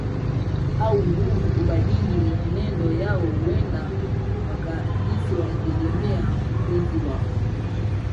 au nguvu kubadili mienendo yao Huenda wakahisi wanategemea mpenzi wao